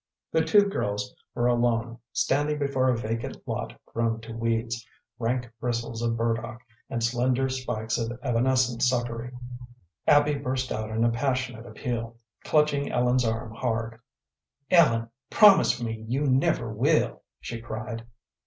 The two girls were alone, standing before a vacant lot grown to weeds, rank bristles of burdock, and slender spikes of evanescent succory. Abby burst out in a passionate appeal, clutching Ellen's arm hard. "Ellen, promise me you never will," she cried.